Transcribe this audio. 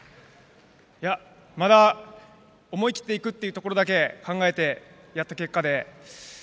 いや、まだ思い切っていくというところだけ考えてやった結果で。